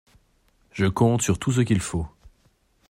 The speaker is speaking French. Je compte sur tout ce qu'il faut.